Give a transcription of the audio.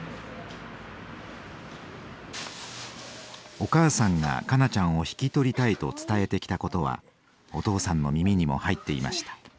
お母さんが香菜ちゃんを引き取りたいと伝えてきたことはお父さんの耳にも入っていました。